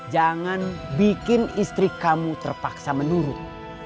jangan bikin istri kamu terpaksa menurun